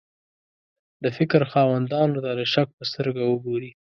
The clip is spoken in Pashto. د فکر خاوندانو ته د شک په سترګه وګوري.